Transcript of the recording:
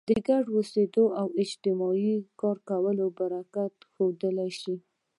ګډې اوسېدا او اجتماعي کار کولو برکت ښودل شوی.